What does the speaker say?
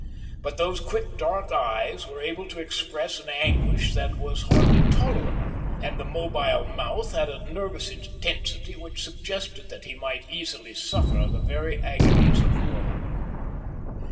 But those quick dark eyes were able to express an anguish that was hardly tolerable, and the mobile mouth had a nervous intensity which suggested that he might easily suffer the very agonies of woe.